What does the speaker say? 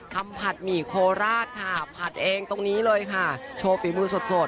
ผัดหมี่โคราชค่ะผัดเองตรงนี้เลยค่ะโชว์ฝีมือสด